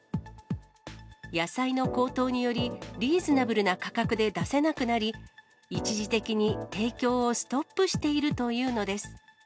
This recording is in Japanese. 野菜の高騰により、リーズナブルな価格で出せなくなり、一時的に提供をストップしているというのです。